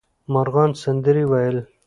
مرغان سندرې ویل.